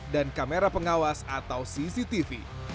dan kamera pengawas atau cctv